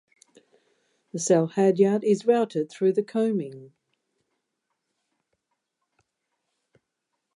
The sail halyard is routed through the coaming.